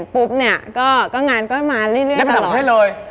ปุ๊บนี่ก็งานก็มายเรื่อยแล้วเลย